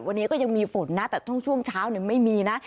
วันนี้ก็ยังมีฝนนะแต่ช่วงเช้าไม่มีนะ